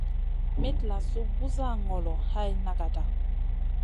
Mitlasou busa ŋolo hay nagata.